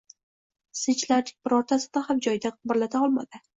Sinchlarning birortasini ham joyidan qimirlata olmadi.